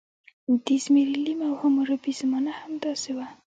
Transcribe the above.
د زیمري لیم او حموربي زمانه همداسې وه.